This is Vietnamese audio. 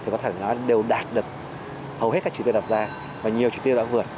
có thể đều đạt được hầu hết các chỉ đề đặt ra